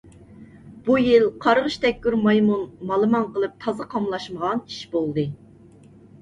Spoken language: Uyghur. بۇ يىل قارغىش تەگكۈر مايمۇن مالىمان قىلىپ تازا قاملاشمىغان ئىش بولدى.